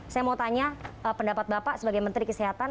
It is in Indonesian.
saya mau tanya pendapat bapak sebagai menteri kesehatan